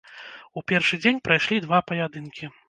У першы дзень прайшлі два паядынкі.